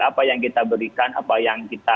apa yang kita berikan apa yang kita